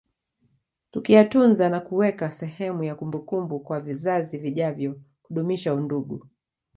Tukiyatunza na kuweka sehemu ya kumbukumbu kwa vizazi vijavyo kudumisha undugu